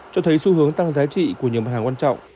cho thấy xu hướng tăng giá trị của nhiều mặt hàng quan trọng